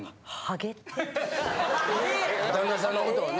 旦那さんのことをね。